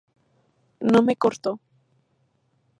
No me corto.